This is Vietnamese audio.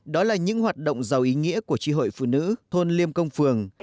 đó là những hoạt động giàu ý nghĩa của tri hội phụ nữ thôn liêm công phường